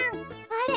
あれ？